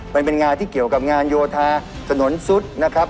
มันเป็นงานที่เกี่ยวกับงานโยธาถนนซุดนะครับ